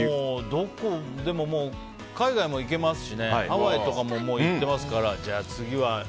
海外も行けますしハワイとかも行ってますからじゃあ次は。